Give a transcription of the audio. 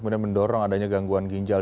kemudian mendorong adanya gangguan ginjal